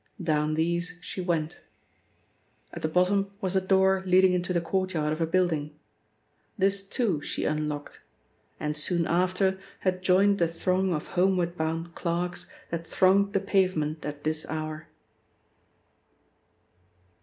Down these she went. At the bottom was a door leading into the courtyard of a building. This, too, she unlocked and soon after had joined the throng of homeward bound clerks that thronged the pavement at this hour.